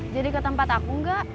jadi ke tempat aku gak